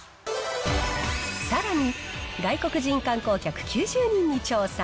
さらに、外国人観光客９０人に調査。